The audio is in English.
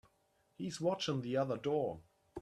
He's watching the other door.